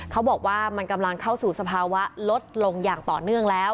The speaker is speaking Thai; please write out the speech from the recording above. เขาบอกว่ามันกำลังเข้าสู่สภาวะลดลงอย่างต่อเนื่องแล้ว